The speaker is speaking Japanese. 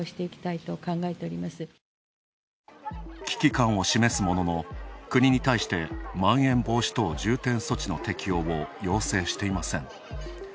危機感を示すものの、国に対して、まん延防止等重点措置の適用を要請していません。